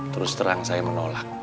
terus terang saya menolak